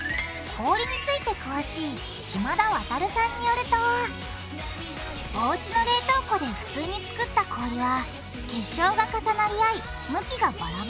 氷について詳しい島田亙さんによるとおうちの冷凍庫でふつうに作った氷は結晶が重なり合い向きがバラバラ。